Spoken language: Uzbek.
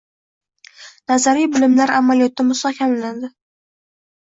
Nazariy bilimlar amaliyotda mustahkamlanadi